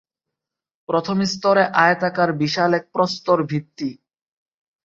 প্রথম স্তরে আয়তাকার বিশাল এক প্রস্তর ভিত্তি।